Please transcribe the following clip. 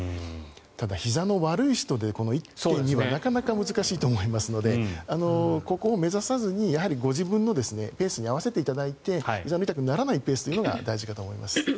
ただ、ひざの悪い人でこの１．２はなかなか難しいと思いますのでここを目指さずにやはりご自分のペースに合わせていただいてひざの痛くならないペースというのが大事かと思います。